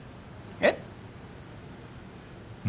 えっ？